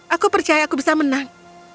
aku percaya aku bisa menang